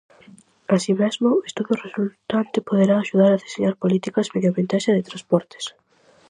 Así mesmo, o estudo resultante poderá axudar a deseñar políticas medioambientais e de transportes.